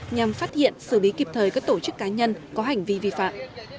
nhằm phát hiện xử lý kịp thời các tổ chức cá nhân có hành vi vi phạm